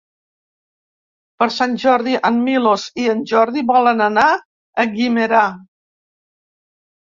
Per Sant Jordi en Milos i en Jordi volen anar a Guimerà.